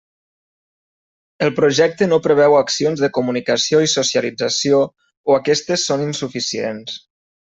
El projecte no preveu accions de comunicació i socialització, o aquestes són insuficients.